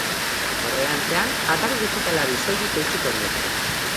Aurrerantzean, atari digitalari soilik eutsiko dio.